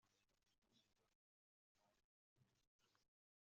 icya gatatu cyatewe muri gare nini ya Nyabugogo hahurirwa n’abantu benshi